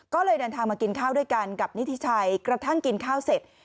ก็เลยเดินทางมากินข้าวด้วยกันกับนิทิชัยกระทั่งกินข้าวเสร็จ